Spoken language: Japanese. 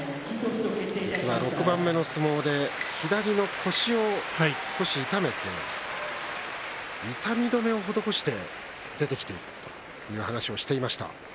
６番目の相撲で左の腰を少し痛めて痛み止めを施して出てきているという話をしていました。